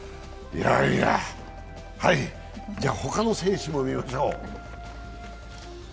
他の選手も見ましょう。